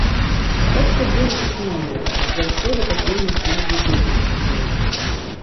Так сядзелі тут многія, заўсёды так вельмі шмат людзей тут сядзела.